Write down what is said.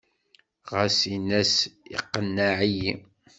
Ɣas in-as iqenneɛ-iyi.